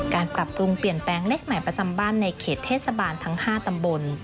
ปรับปรุงเปลี่ยนแปลงเลขใหม่ประจำบ้านในเขตเทศบาลทั้ง๕ตำบล